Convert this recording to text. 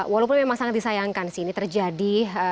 walaupun memang sangat disayangkan sih ini terjadi